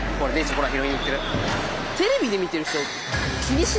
ほら拾いに行ってる。